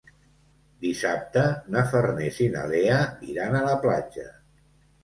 Dissabte na Farners i na Lea iran a la platja.